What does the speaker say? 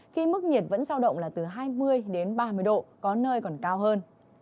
khi mức nhiệt vẫn giao động là từ hai mươi đến ba mươi độ có nơi còn cao hơn